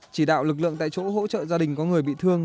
chỉ đạo lực lượng tại chỗ hỗ trợ gia đình có người bị thương